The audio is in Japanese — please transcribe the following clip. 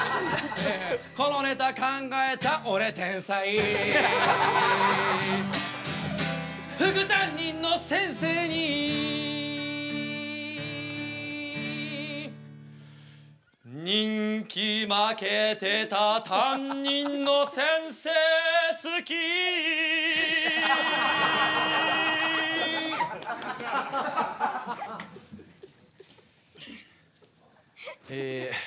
このネタ考えた俺天才副担任の先生に人気負けてた担任の先生好きえ